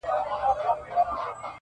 پکښي نه ورښکارېدله خپل عیبونه -